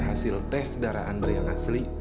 hasil tes darah andre yang asli